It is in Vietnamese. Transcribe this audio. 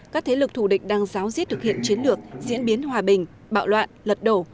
các thế lực thù địch đang giáo diết thực hiện chiến lược diễn biến hòa bình bạo loạn lật đổ